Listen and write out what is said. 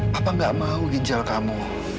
kenapa gak mau ginjal kamu